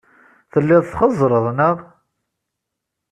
Telliḍ txeẓẓreḍ, neɣ?